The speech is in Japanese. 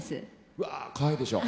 うわかわいいでしょう。